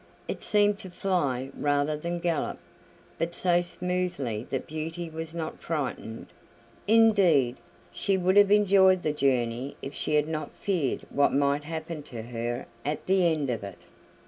It seemed to fly rather than gallop, but so smoothly that Beauty was not frightened; indeed, she would have enjoyed the journey if she had not feared what might happen to her at the end of it.